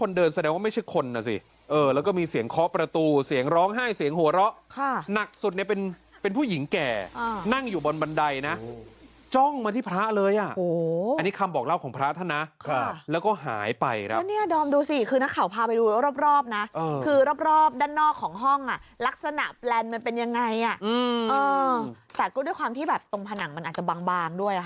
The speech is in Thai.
อนดรมดูสิคือนักข่าวพาไปดูรอบนะคือรอบด้านนอกของห้องลักษณะแปลนมันเป็นยังไงอ่ะแต่ก็ด้วยความที่แบบตรงผนังมันอาจจะบางด้วยค่ะ